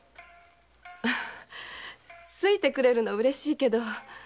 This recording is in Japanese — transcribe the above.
好いてくれるのは嬉しいけど。